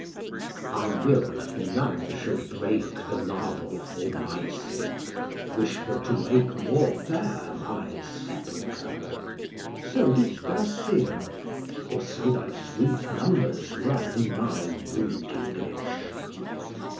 I will that none should break The marble for my sake, Wishful to make more fair My sepulchre. So didst thou sing, or so thy sweet numbers run in my rude English.